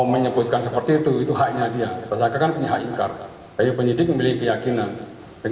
menyoroti rekonstruksi tragedikan juruhan yang tak digelar di tempat kejadian di malang